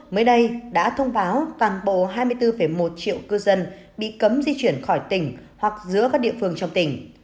mới đây đã thông báo toàn bộ hai mươi bốn một triệu cư dân bị cấm di chuyển khỏi tỉnh hoặc giữa các địa phương trong tỉnh